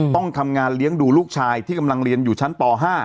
ต้องทำงานเลี้ยงดูลูกชายที่กำลังเรียนอยู่ชั้นป๕